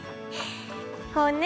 こうね